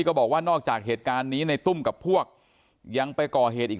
บอกว่านอกจากเหตุการณ์นี้ในตุ้มกับพวกยังไปก่อเหตุอีก